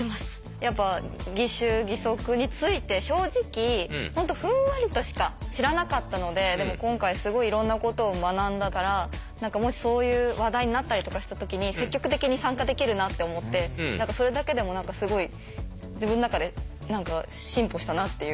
やっぱ義手義足について正直ふんわりとしか知らなかったのででも今回すごいいろんなことを学んだから何かもしそういう話題になったりとかした時に積極的に参加できるなって思ってそれだけでも何かすごい自分の中で進歩したなっていう。